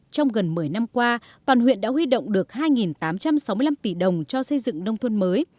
trong gần một mươi năm qua toàn huyện đã huy động được hai tám trăm sáu mươi năm tỷ đồng cho xây dựng nông thôn mới